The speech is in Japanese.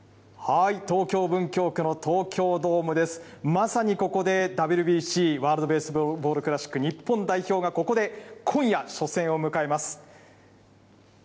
まさにここで、ＷＢＣ・ワールドベースボールクラシック日本代表がここで今夜初戦を迎えます。